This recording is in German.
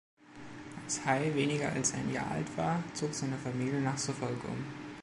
Als Hay weniger als ein Jahr alt war, zog seine Familie nach Suffolk um.